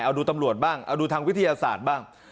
เอาดูตำรวจบ้างเอาดูทางวิทยาศาสตร์บ้าง